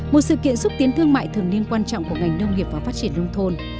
một sự kiện xúc tiến thương mại thường niên quan trọng của ngành nông nghiệp và phát triển nông thôn